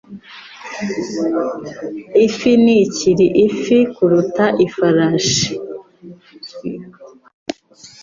Ifi ntikiri ifi kuruta ifarashi. (Swift)